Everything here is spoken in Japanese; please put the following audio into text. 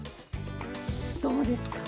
どうですか？